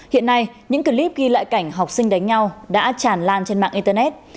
hiện nay những clip ghi lại cảnh học sinh đánh nhau đã tràn lan trên mạng internet